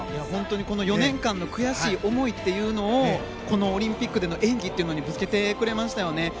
本当にこの４年間の悔しい思いをこのオリンピックでの演技にぶつけてくれましたよね。